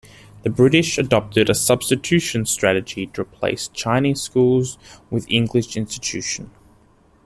The British adopted a substitution strategy to replace Chinese schools with English institution.